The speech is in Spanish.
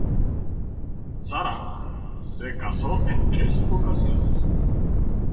Sarah se casó en tres ocasiones.